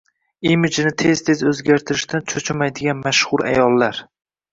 Imijini tez-tez o‘zgartirishdan cho‘chimaydigan mashhur ayollar